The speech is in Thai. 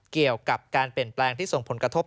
เกี่ยวกับการเปลี่ยนแปลงที่ส่งผลกระทบ